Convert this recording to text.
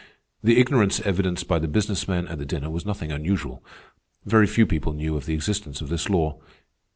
The ignorance evidenced by the business men at the dinner was nothing unusual. Very few people knew of the existence of this law.